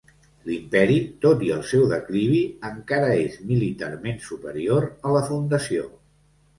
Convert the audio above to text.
L'Imperi, tot i el seu declivi, encara és militarment superior a la Fundació.